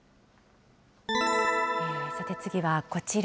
さて次は、こちら。